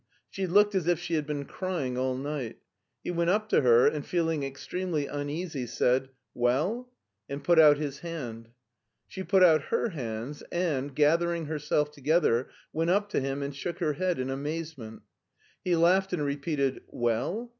She looked as if she had been crying all night. He went up to her and, feeling ex tremely uneasy, said, Well ?*' and put out his hand. She put out her hands and, gathering herself together, went up to him and shook her head in amaze ment. He laughed and repeated " Well